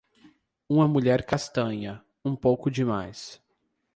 Uma mulher castanha, um pouco demais.